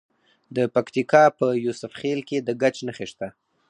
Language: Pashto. د پکتیکا په یوسف خیل کې د ګچ نښې شته.